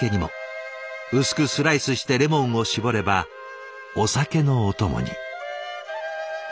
薄くスライスしてレモンを搾ればお酒のお供に。